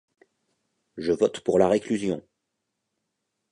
Je vote pour la réclusion.